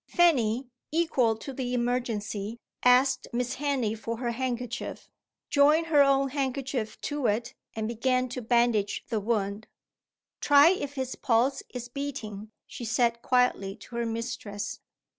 Fanny, equal to the emergency, asked Miss Henley for her handkerchief, joined her own handkerchief to it, and began to bandage the wound. "Try if his pulse is beating," she said quietly to her mistress.